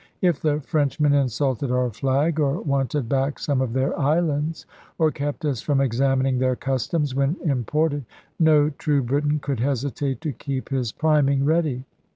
If the Frenchmen insulted our flag, or wanted back some of their islands, or kept us from examining their customs (when imported), no true Briton could hesitate to keep his priming ready.